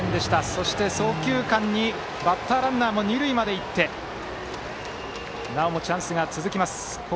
そして、送球間にバッターランナーも二塁まで行きなおもチャンスが続きます。